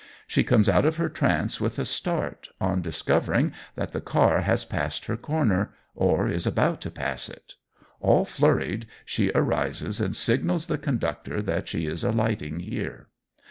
She comes out of her trance with a start on discovering that the car has passed her corner or is about to pass it. All flurried, she arises and signals the conductor that she is alighting here.